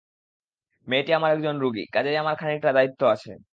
মেয়েটি আমার একজন রুগী, কাজেই আমার খানিকটা দায়িত্ব আছে।